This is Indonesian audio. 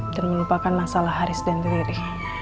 dan melupakan masalah haris dan diri